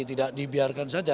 tidak dibiarkan saja